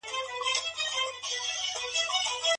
ايا ته زما ضامنه کېږې؟